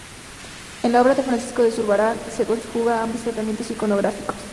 En la obra de Francisco de Zurbarán se conjugan ambos tratamientos iconográficos.